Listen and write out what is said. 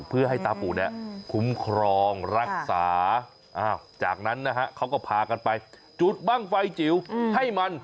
เพื่อให้ตาปู่เนี่ยคุ้มครองรักษาจากนั้นนะฮะเขาก็พากันไปจุดบ้างไฟจิ๋วให้มัน